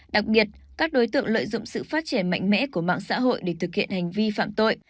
đặc biệt các đối tượng lợi dụng sự phát triển mạnh mẽ của mạng xã hội để thực hiện hành vi phạm tội